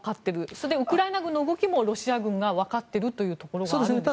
それでウクライナ軍の動きもロシア軍がわかっているところはあるんでしょうか。